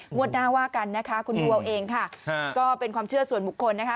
งวดหน้าว่ากันนะคะคุณบัวเองค่ะก็เป็นความเชื่อส่วนบุคคลนะคะ